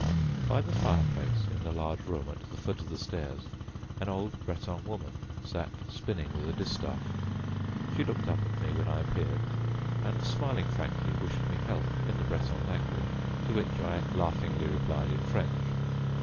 By the fireplace in the large room at the foot of the stairs an old Breton woman sat spinning with a distaff. She looked up at me when I appeared, and, smiling frankly, wished me health in the Breton language, to which I laughingly replied in French.